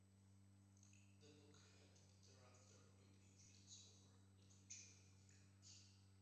The book had thereafter great influence over literature and the arts.